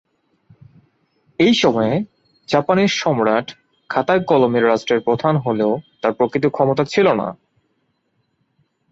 এই সময়ে জাপানের সম্রাট খাতায় কলমে রাষ্ট্রের প্রধান হলেও তার প্রকৃত ক্ষমতা ছিল না।